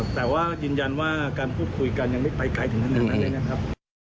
แต่ว่ายืนยันว่าการพูดคุยกันยังไม่ไปไกลถึงขนาดนั้นเลยนะครับ